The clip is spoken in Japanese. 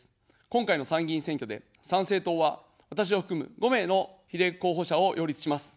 今回の参議院選挙で、参政党は、私を含む５名の比例候補者を擁立します。